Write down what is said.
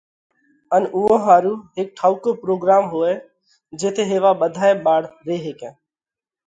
ان اُوئون ۿارُو هيڪ ٺائُوڪو پروڳروم هوئہ جيٿئہ هيوا ٻڌائي ٻاۯ ري هيڪئہ۔